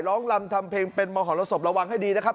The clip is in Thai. ลำทำเพลงเป็นมหรสบระวังให้ดีนะครับ